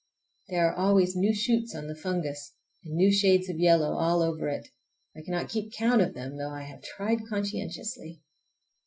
There are always new shoots on the fungus, and new shades of yellow all over it. I cannot keep count of them, though I have tried conscientiously.